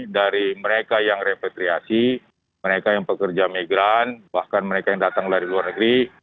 dari mereka yang repatriasi mereka yang pekerja migran bahkan mereka yang datang dari luar negeri